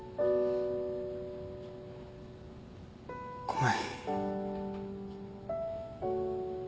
ごめん。